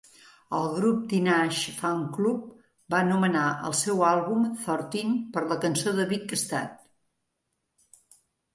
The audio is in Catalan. El grup Teenage Fanclub va anomenar el seu àlbum "Thirteen" per la cançó de Big Star.